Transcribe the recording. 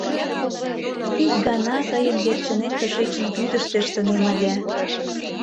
Ик гана тыйын верчынет тышечын вӱдыш тӧрштынем ыле...